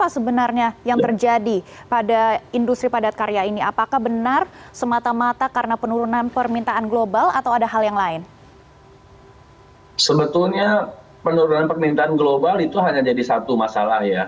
sebetulnya penurunan permintaan global itu hanya jadi satu masalah ya